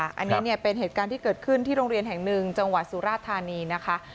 อันนี้เนี่ยเป็นเหตุการณ์ที่เกิดขึ้นที่โรงเรียนแห่งหนึ่งจังหวัดสุราธานีนะคะ